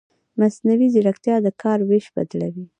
مصنوعي ځیرکتیا د کار وېش بدلوي.